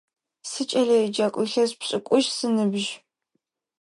Сыкӏэлэеджакӏу, илъэс пшӏыкӏущ сыныбжь.